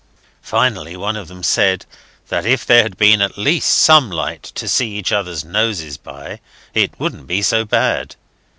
Finally, one of them said that if there had been at least some light to see each other's noses by, it wouldn't be so bad.